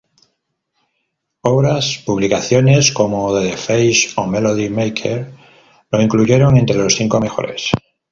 Otras publicaciones como The Face o Melody Maker lo incluyeron entre los cinco mejores.